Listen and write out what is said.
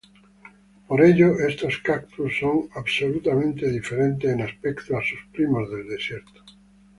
Por ello estos cactus son absolutamente diferentes en aspecto a sus primos del desierto.